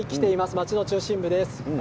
街の中心部です。